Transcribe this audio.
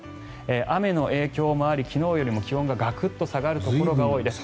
雨の影響もあり昨日よりも気温がガクッと下がるところが多いです。